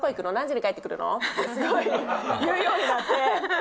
すごい言うようになって。